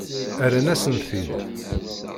Rran-asen-t-id.